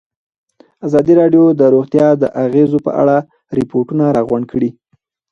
ازادي راډیو د روغتیا د اغېزو په اړه ریپوټونه راغونډ کړي.